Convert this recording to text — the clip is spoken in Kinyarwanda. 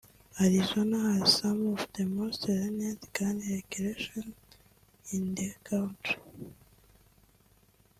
Arizona has some of the most lenient gun regulations in the country